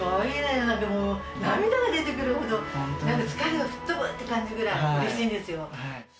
涙が出てくるほど、疲れが吹き飛ぶって感じぐらい、うれしいんですよ。